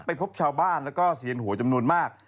พบชาวบ้านแล้วก็เซียนหวยจำนวนมาก